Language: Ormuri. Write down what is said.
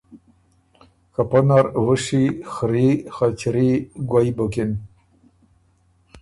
که پۀ نر وُشی، خري، خچِرئ، ګوئ بُکِن